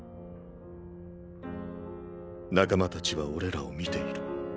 仲間たちは俺らを見ている。